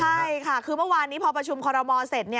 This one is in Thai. ใช่ค่ะคือเมื่อวานนี้พอประชุมคอรมอลเสร็จ